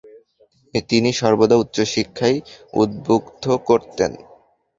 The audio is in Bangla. তিনি সর্বদা উচ্চশিক্ষায় উদ্বুদ্ধ করতেন।